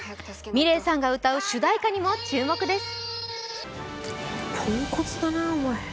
ｍｉｌｅｔさんが歌う主題歌にも注目です。